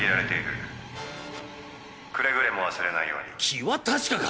気は確かか！？